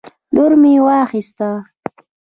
لور مې واخیست